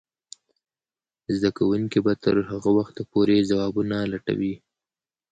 زده کوونکې به تر هغه وخته پورې ځوابونه لټوي.